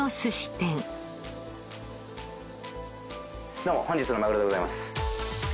どうも本日のマグロでごさいます。